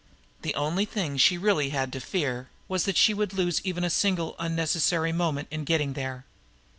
The only thing she really had to fear was that she should lose even a single unnecessary moment in getting there.